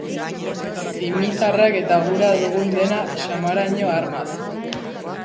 Zimitarrak eta gura dugun dena, samaraino armaz!